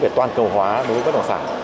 về toàn cầu hóa đối với bất động sản